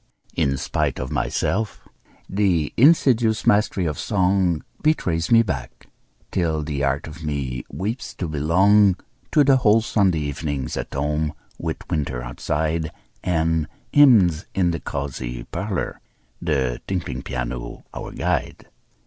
In spite of myself, the insidious mastry of song Betrays me back, till the heart of me weeps to belong To the old Sunday evenings at home, with winter outside And hymns in the cozy parlor, the tinkling piano our guide.